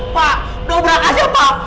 pak dobrak aja pak